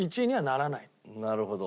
なるほど。